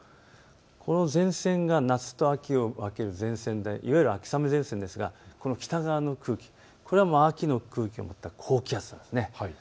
この前線が夏と秋を分ける前線でいわゆる秋雨前線ですがこの北側の空気、これは高気圧なんです。